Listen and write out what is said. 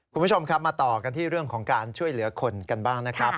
คุณผู้ชมครับมาต่อกันที่เรื่องของการช่วยเหลือคนกันบ้างนะครับ